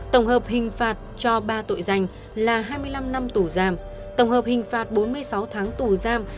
tổng hợp hình phạt cho ba tội danh là hai mươi năm năm tù giam tổng hợp hình phạt bốn mươi sáu tháng tù giam